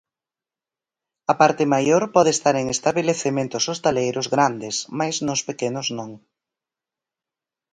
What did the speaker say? A parte maior pode estar en estabelecementos hostaleiros grandes mais nos pequenos non.